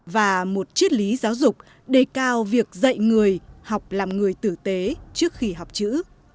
và một triết lý giáo dục đề cao việc dạy người học làm người tử tế trước khi học chữ